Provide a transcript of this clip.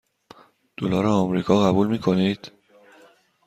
دلار آمریکا قبول می کنید؟